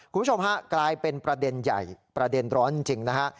คุณผู้ชมฮะกลายเป็นประเด็นใหญ่ประเด็นร้อนจริงนะฮะ